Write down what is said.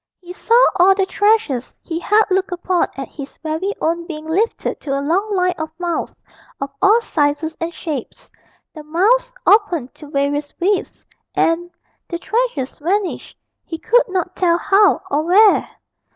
He saw all the treasures he had looked upon as his very own being lifted to a long line of mouths of all sizes and shapes; the mouths opened to various widths, and the treasures vanished, he could not tell how or where.